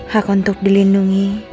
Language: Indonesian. hak untuk dilindungi